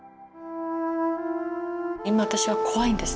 今私は怖いんです。